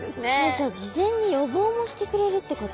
じゃあ事前に予防もしてくれるってこと？